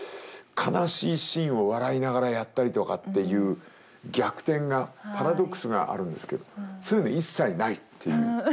悲しいシーンを笑いながらやったりとかっていう逆転がパラドックスがあるんですけどそういうの一切ないっていう。